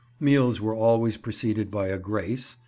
Meals were always preceded by a grace